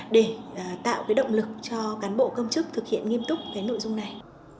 để tạo cái động lực cho cán bộ công chức thực hiện nghiêm túc cái nội dung này